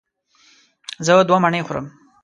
زه دوه مڼې خورم.